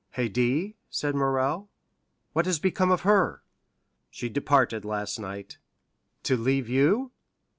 "Haydée?" said Morrel, "what has become of her?" "She departed last night." "To leave you?"